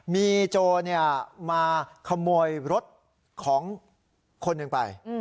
มีโจรมาขโมยรถของคนหนึ่งไป